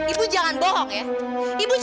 ibu jangan bohong ya